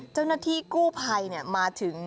เจ้าหน้าที่กู้ภัยมาถึง